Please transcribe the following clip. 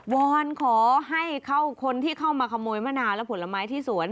วอนขอให้เข้าคนที่เข้ามาขโมยมะนาวและผลไม้ที่สวน